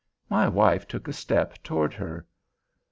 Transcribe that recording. My wife took a step toward her.